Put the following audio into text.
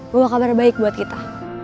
bawa kabar baik buat kita